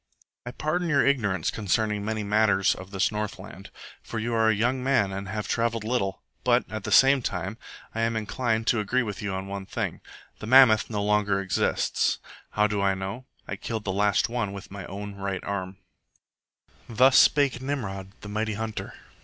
"I pardon your ignorance concerning many matters of this Northland, for you are a young man and have travelled little; but, at the same time, I am inclined to agree with you on one thing. The mammoth no longer exists. How do I know? I killed the last one with my own right arm." Thus spake Nimrod, the mighty Hunter.